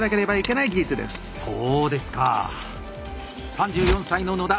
３４歳の野田